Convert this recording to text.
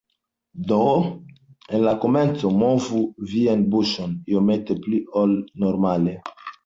Do, en la komenco movu vian buŝon iomete pli ol normale.